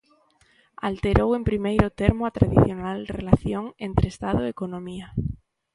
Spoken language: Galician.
Alterou en primeiro termo a tradicional relación entre Estado e economía.